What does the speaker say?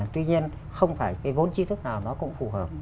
tuy nhiên không phải cái vốn chi thức nào nó cũng phù hợp